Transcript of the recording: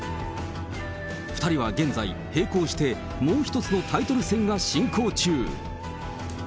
２人は現在、並行してもう一つのタイトル戦が進行中。